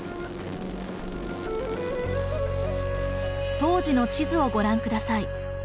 当時の地図をご覧下さい。